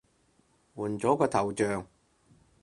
換咗個頭像